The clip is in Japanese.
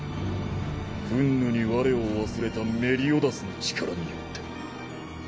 憤怒に我を忘れたメリオダスの力によって。